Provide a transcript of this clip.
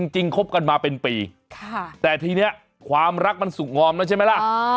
คบกันมาเป็นปีแต่ทีนี้ความรักมันสุขงอมแล้วใช่ไหมล่ะ